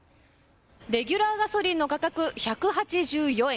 レギュラーガソリンの価格１８４円。